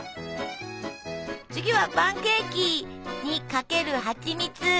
次はパンケーキにかけるはちみつ！